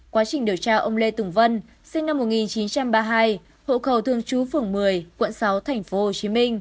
quá trình điều tra ông lê tùng vân sinh năm một nghìn chín trăm ba mươi hai hộ khẩu thường trú phường một mươi quận sáu tp hcm